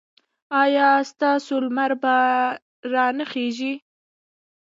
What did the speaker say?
ایا ستاسو لمر به را نه خېژي؟